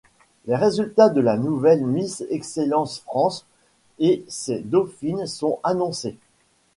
Les résultats de la nouvelle Miss Excellence France et ses dauphines sont annoncés.